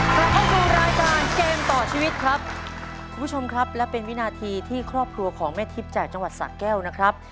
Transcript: คุณผู้ชมครับและเป็นวินาทีที่ครอบครัวของแม่ทิพย์จ่ายจังหวัดสะแก้วนะครับ